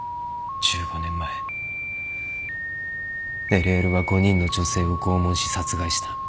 １５年前ＬＬは５人の女性を拷問し殺害した。